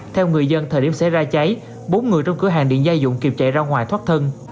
theo người dân thời điểm xảy ra cháy bốn người trong cửa hàng điện gia dụng kịp chạy ra ngoài thoát thân